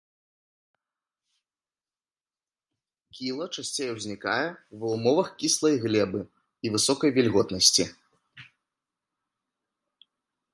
Кіла часцей узнікае ва ўмовах кіслай глебы і высокай вільготнасці.